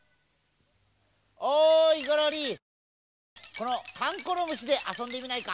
この「かんころむし」であそんでみないか？